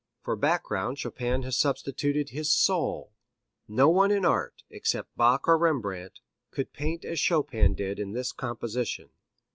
For background Chopin has substituted his soul; no one in art, except Bach or Rembrandt, could paint as Chopin did in this composition.